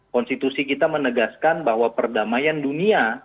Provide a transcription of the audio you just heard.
konstitusi kita menegaskan bahwa perdamaian dunia